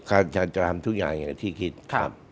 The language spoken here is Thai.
ก็จะทำทุกอย่างอย่างที่คิดครับ